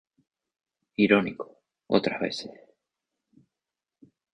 Irónico, otras veces.